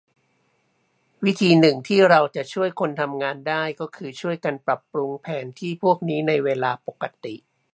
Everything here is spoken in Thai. วิธีหนึ่งที่เราจะช่วยคนทำงานได้ ก็คือช่วยกันปรับปรุงแผนที่พวกนี้ในเวลาปกติ